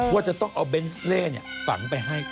ว่าจะต้องเอาเบนส์เล่ฝังไปให้